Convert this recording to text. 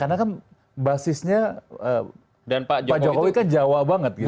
karena kan basisnya pak jokowi kan jawa banget gitu